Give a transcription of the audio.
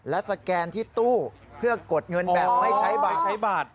และสแกนที่ตู้เพื่อกดเงินแบบไม่ใช่บัตร